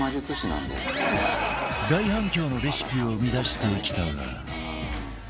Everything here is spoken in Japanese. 大反響のレシピを生み出してきたが